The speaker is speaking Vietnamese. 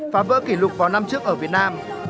phá vỡ kỷ lục vào năm trước ở việt nam